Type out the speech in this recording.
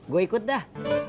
gua ikut dah